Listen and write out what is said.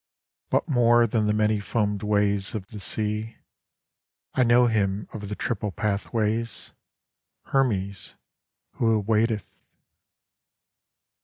But more than the many foamed waysOf the sea,I know himOf the triple path ways, Hermes, Who awaiteth.